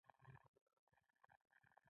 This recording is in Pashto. عسکرو یوه تولۍ منګلور ته ورسېده.